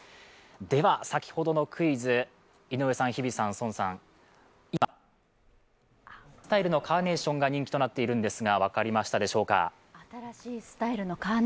では、先ほどのクイズ、井上さん、日比さん、宋さん、今、新しいスタイルのカーネーションが人気となっているんですがいかがでしょうか？